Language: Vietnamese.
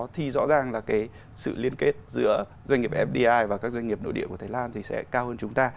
thì rõ ràng là cái sự liên kết giữa doanh nghiệp fdi và các doanh nghiệp nội địa của thái lan thì sẽ cao hơn chúng ta